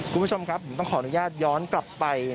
คุณผู้ชมครับผมต้องขออนุญาตย้อนกลับไป